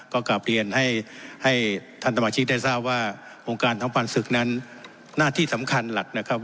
ก็กลับเรียนให้ท่านสมาชิกได้ทราบว่าวงการของปันศึกนั้นหน้าที่สำคัญหลักนะครับ